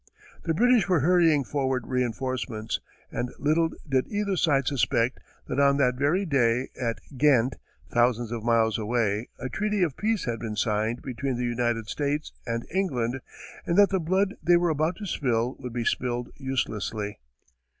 The British were hurrying forward reinforcements, and little did either side suspect that on that very day, at Ghent, thousands of miles away, a treaty of peace had been signed between the United States and England, and that the blood they were about to spill would be spilled uselessly.